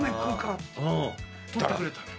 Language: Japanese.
取ってくれた。